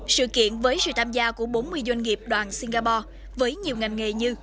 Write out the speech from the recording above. sự kiện với sự tham gia của bốn mươi doanh nghiệp đoàn singapore với nhiều ngành nghề như